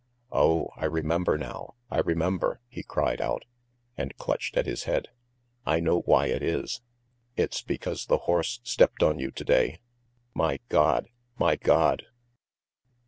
Oh, I remember now, I remember!" he cried out, and clutched at his head. "I know why it is! It's because the horse stepped on you to day! My God! My God!"